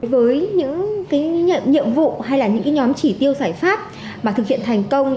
với những nhiệm vụ hay là những nhóm chỉ tiêu giải pháp mà thực hiện thành công